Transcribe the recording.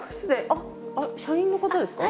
あっ社員の方ですか？